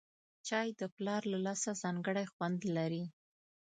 چای د پلار له لاسه ځانګړی خوند لري